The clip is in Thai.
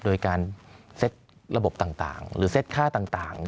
โดยการเซ็ตระบบต่างหรือเซ็ตค่าต่าง